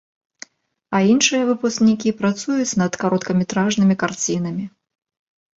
А іншыя выпускнікі працуюць над кароткаметражнымі карцінамі.